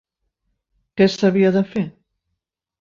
Què s'havia de fer?